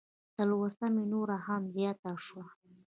تلوسه مې نوره هم زیاته شوه.